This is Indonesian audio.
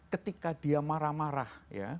ketika dia marah marah